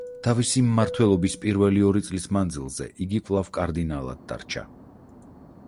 თავისი მმართველობის პირველი ორი წლის მანძილზე იგი კვლავ კარდინალად დარჩა.